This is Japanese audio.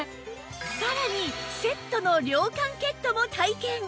さらにセットの涼感ケットも体験！